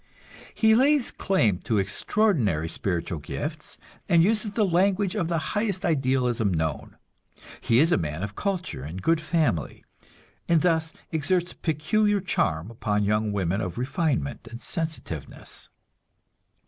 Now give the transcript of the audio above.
He lays claim to extraordinary spiritual gifts, and uses the language of the highest idealism known. He is a man of culture and good family, and thus exerts a peculiar charm upon young women of refinement and sensitiveness.